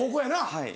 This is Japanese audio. はい。